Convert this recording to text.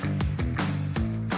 woy turun lo awan tua